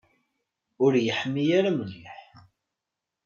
Ur yeḥmi ara mliḥ.